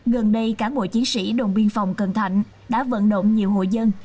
gần đây cả bộ chiến sĩ đồng biên phòng cần thạnh đã vận động nhiều hội dân